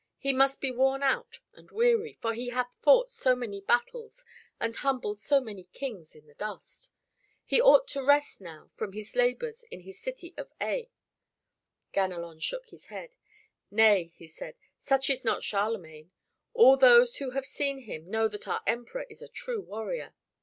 He must be worn out and weary, for he hath fought so many battles and humbled so many kings in the dust. He ought to rest now from his labors in his city of Aix." Ganelon shook his head. "Nay," he said, "such is not Charlemagne. All those who have seen him know that our Emperor is a true warrior.